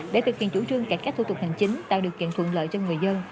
để thực hiện chủ trương cải cách thủ tục hành chính tạo điều kiện thuận lợi cho người dân